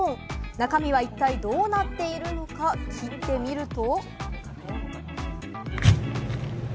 中身は一体、どうなっているのか切ってみると。